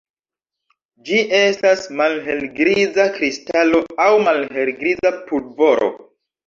Ĝi estas malhelgriza kristalo aŭ malhelgriza pulvoro.